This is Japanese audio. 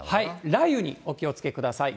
雷雨にお気をつけください。